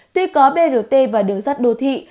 tuy có brt và đường sắt đô thị